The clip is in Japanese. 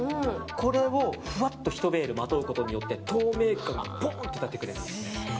これを、ふわっと１ベールまとうことによって透明感がポーンと出てくれます。